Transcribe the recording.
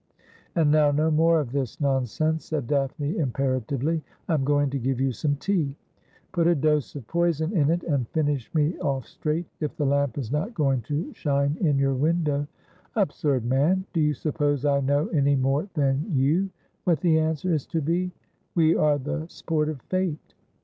' And now no more of this nonsense,' said Daphne impera tively. ' I am going to give you some tea.' ' Put a dose of poison in it, and finish me off straight, if the lamp is not going to shine in your window.' ' Absurd man ! Do you suppose I know any more than you what the answer is to be ? We are the sport of Fate.'